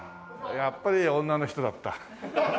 やっぱり女の人だった。